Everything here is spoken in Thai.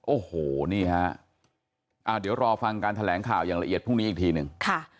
โอ้โหนี่ฮะอ่าเดี๋ยวรอฟังการแถลงข่าวอย่างละเอียดพรุ่งนี้อีกทีหนึ่ง